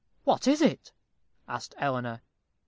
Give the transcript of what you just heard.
"What is it?" asked Eleanor.